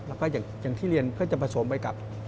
แล้วก็อย่างที่เรียนก็จะผสมไปกับ